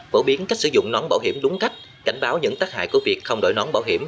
phổ biến cách sử dụng nón bảo hiểm đúng cách cảnh báo những tác hại của việc không đổi nón bảo hiểm